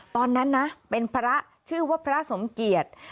ตอนนั้นนะเป็นพระชื่อว่าพระสมเกียจ